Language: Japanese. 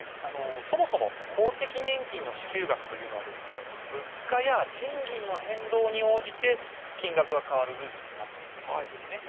そもそも公的年金の支給額というのはですね、物価や賃金の変動に応じて金額が変わるルールになっているんですね。